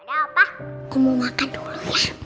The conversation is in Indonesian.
ada opah aku mau makan dulu ya